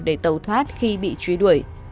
để tẩu thoát khi bị trúy đuổi